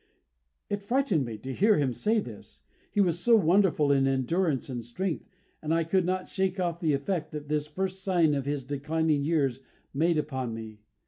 It frightened me to hear him say this, he was so wonderful in endurance and strength; and I could not shake off the effect that this first sign of his declining years made upon me.